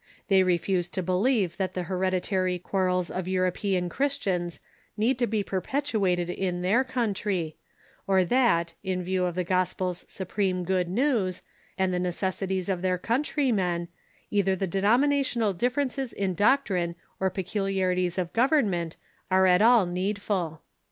They refuse to believe that the hereditary quarrels of European Christians need to be perpetuated in their country, or that, in view of the gospel's supreme good news, and the necessities of their countrymen, either the de nominational differences in doctrine or peculiarities of govern ment are at all needful."